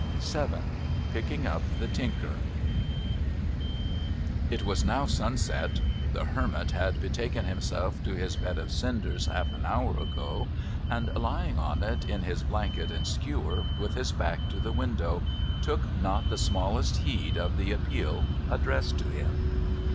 VII PICKING UP THE TINKER It was now sunset. The Hermit had betaken himself to his bed of cinders half an hour ago, and lying on it in his blanket and skewer with his back to the window, took not the smallest heed of the appeal addressed to him.